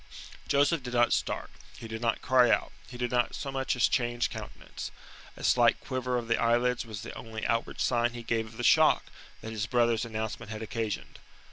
Joseph did not start; he did not cry out; he did not so much as change countenance. A slight quiver of the eyelids was the only outward sign he gave of the shock that his brother's announcement had occasioned.